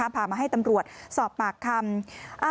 พามาให้ตำรวจสอบปากคำ